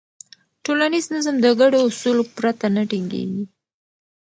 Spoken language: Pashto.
ټولنیز نظم د ګډو اصولو پرته نه ټینګېږي.